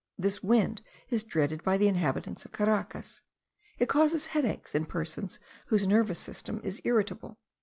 This wind is dreaded by the inhabitants of Caracas; it causes headache in persons whose nervous system is irritable.